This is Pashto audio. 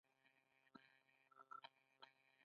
مېلمه ته ځای ورکول مهرباني ده.